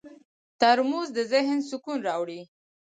ترموز د ذهن سکون راوړي.